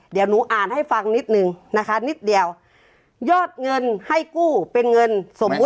เดี๋ยวหนูอ่านให้ฟังนิดนึงนะคะนิดเดียวยอดเงินให้กู้เป็นเงินสมมุติ